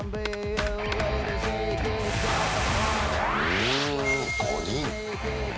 うん、５人。